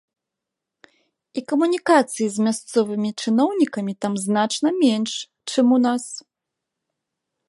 І камунікацыі з мясцовымі чыноўнікамі там значна менш, чым у нас.